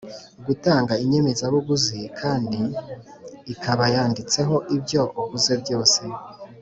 gutanga inyemezabuguzi kandi ikabayanditseho ibyo uguze byose.